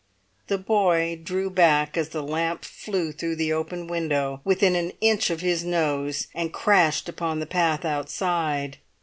The boy drew back as the lamp flew through the open window, within an inch of his nose, and crashed upon the path outside.